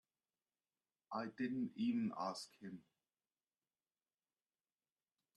I didn't even ask him.